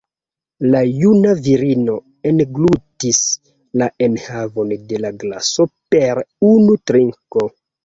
La juna virino englutis la enhavon de la glaso per unu trinko.